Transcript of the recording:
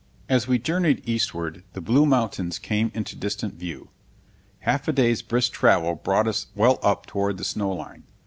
] As we journeyed eastward, the Blue Mountains came into distant view. Half a day's brisk travel brought us well up toward the snow line.